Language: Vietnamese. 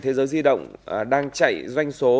thế giới di động đang chạy doanh số